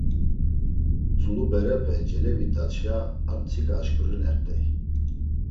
Tzulu berepe celevit̆atşa ar mtsika aşǩurinert̆ey.